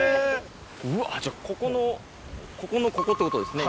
うわじゃあここのここのここってことですね